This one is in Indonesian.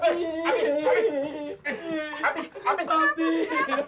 mami kenapa disini